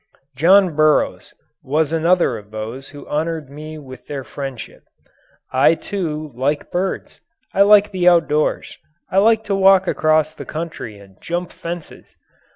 John Burroughs was another of those who honoured me with their friendship. I, too, like birds. I like the outdoors. I like to walk across country and jump fences.